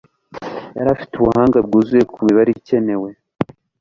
yari afite ubuhanga bwuzuye kumibare ikenewe